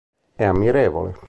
È ammirevole.